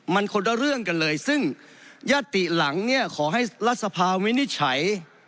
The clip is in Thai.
มันคนละเรื่องกันเลยซึ่งยัตติหลังเนี่ยขอให้รัฐสภาวินิจฉัย